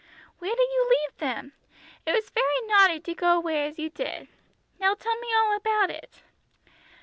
"Where did you leave them? It was very naughty to go away as you did. Now tell me all about it."